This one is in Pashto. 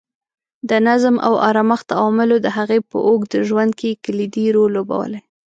د نظم او ارامښت عواملو د هغې په اوږد ژوند کې کلیدي رول لوبولی.